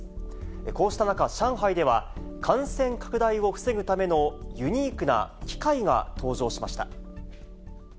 こうした中、上海では、感染拡大を防ぐためのユニークな機械が登場しました。